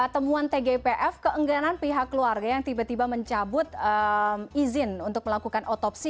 temuan tgpf keengganan pihak keluarga yang tiba tiba mencabut izin untuk melakukan otopsi